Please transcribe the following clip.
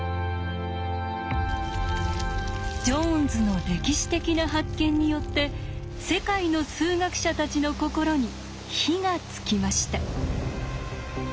ジョーンズの歴史的な発見によって世界の数学者たちの心に火がつきました。